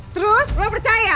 terus lu percaya